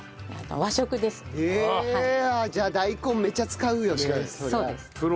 じゃあ大根めちゃ使うよね。